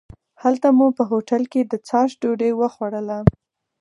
هلته مو په هوټل کې د څاښت ډوډۍ وخوړله.